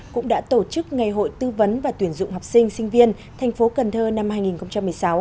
cũng đã tổ chức ngày hội tư vấn và tuyển dụng học sinh sinh viên tp cnh năm hai nghìn một mươi sáu